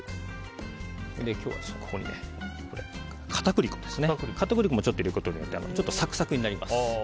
今日は、ここに片栗粉もちょっと入れるとサクサクになります。